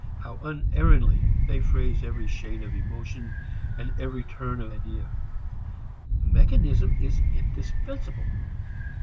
How unerringly they phrase every shade of emotion and every turn of idea! Mechanism is indispensable.